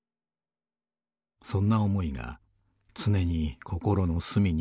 そんな思いがつねに心の隅にある」。